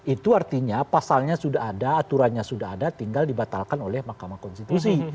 itu artinya pasalnya sudah ada aturannya sudah ada tinggal dibatalkan oleh mahkamah konstitusi